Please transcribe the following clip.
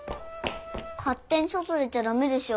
かっ手に外出ちゃだめでしょ！